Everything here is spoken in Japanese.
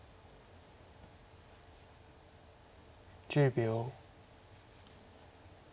１０秒。